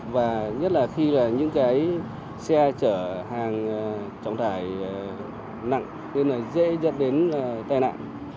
và nhất là khi là những cái xe chở hàng trọng tải nặng nên là dễ dẫn đến tai nạn